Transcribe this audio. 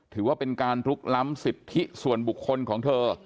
ถือว่าเป็นการลุกล้ำสิทธิส่วนบุคคลของเธอ